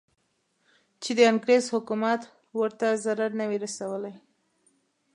چې د انګریز حکومت ورته ضرر نه وي رسولی.